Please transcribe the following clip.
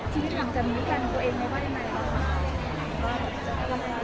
ชีวิตทางจำนึงค่ะ